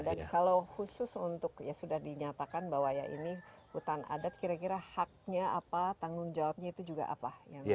dan kalau khusus untuk ya sudah dinyatakan bahwa ya ini hutan adat kira kira haknya apa tanggung jawabnya itu juga apa